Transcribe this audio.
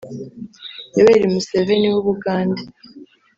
Yoweli Museveni w’u Bugande